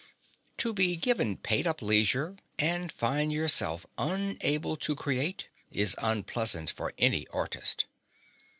To be given paid up leisure and find yourself unable to create is unpleasant for any artist.